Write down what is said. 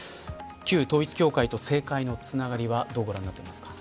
旧統一教会と政界のつながりはどうご覧になっていますか。